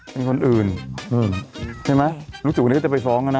เป็นคนอื่นใช่ไหมรู้สึกวันนี้ก็จะไปฟ้องแล้วนะ